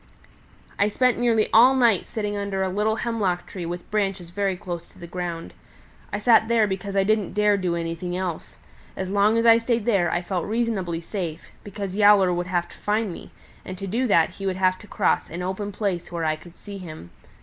"I spent nearly all night sitting under a little hemlock tree with branches very close to the ground. I sat there because I didn't dare do anything else. As long as I stayed there I felt reasonably safe, because Yowler would have to find me, and to do that he would have to cross an open place where I could see him.